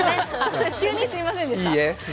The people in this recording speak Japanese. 急にすみませんでした。